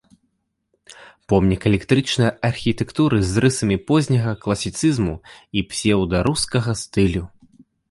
Помнік эклектычнай архітэктуры з рысамі позняга класіцызму і псеўдарускага стылю.